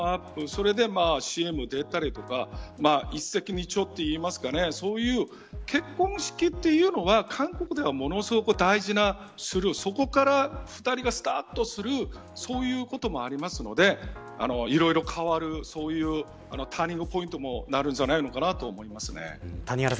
それでＣＭに出たりとか一石二鳥といいますかそういう結婚式というのは韓国ではものすごく大事なそこから２人がスタートするそういうこともありますのでいろいろ変わるそういうターニングポイントにもなるんじゃないかと思います。